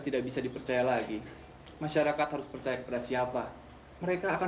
tidak bisa dipercaya lagi masyarakat harus percaya kepada siapa mereka akan